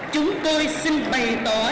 chúng tôi xin bày tỏ